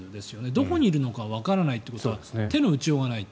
どこにいるのかわからないということは手の打ちようがない。